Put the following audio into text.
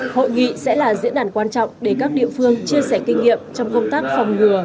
hội nghị sẽ là diễn đàn quan trọng để các địa phương chia sẻ kinh nghiệm trong công tác phòng ngừa